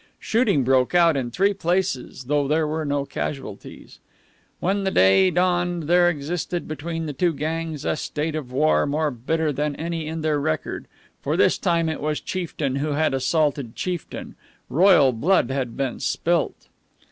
Shooting broke out in three places, though there were no casualties. When the day dawned there existed between the two gangs a state of war more bitter than any in their record, for this time it was chieftain who had assaulted chieftain, Royal blood had been spilt.